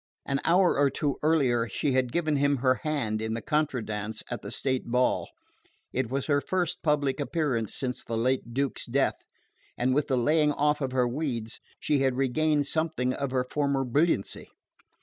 An hour or two earlier she had given him her hand in the contra dance at the state ball. It was her first public appearance since the late Duke's death, and with the laying off of her weeds she had regained something of her former brilliancy.